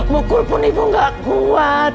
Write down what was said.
mukul pun ibu gak kuat